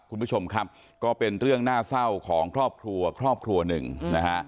คุณผู้ชมครับก็เป็นเรื่องน่าเศร้าของครอบครัวครอบครัวหนึ่งนะฮะ